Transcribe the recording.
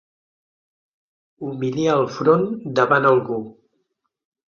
Humiliar el front davant algú.